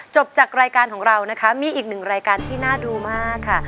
จบจากรายการของเรานะคะมีอีกหนึ่งรายการที่น่าดูมากค่ะ